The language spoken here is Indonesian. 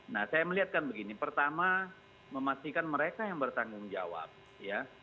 nah saya melihatkan begini pertama memastikan mereka yang bertanggung jawab ya